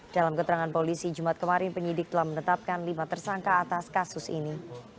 dalam keterangan polisi jumat kemarin penyidik telah menetapkan lima tersangka atas kasus ini